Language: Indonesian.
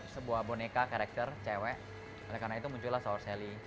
sebuah boneka karakter cewek karena itu muncullah sour sally